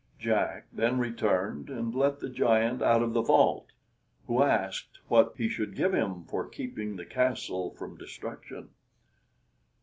Jack then returned, and let the giant out of the vault, who asked what he should give him for keeping the castle from destruction.